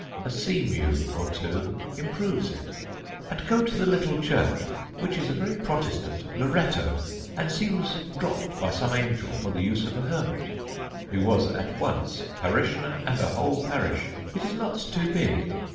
A sea mew or two improves it. And go to the little church, which is a very protestant Loretto, and seems dropt by some angel for the use of a hermit, who was at once parishioner and a whole parish. It is not too big.